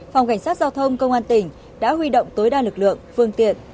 phòng cảnh sát giao thông công an tỉnh đã huy động tối đa lực lượng phương tiện